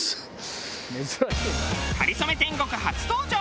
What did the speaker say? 『かりそめ天国』初登場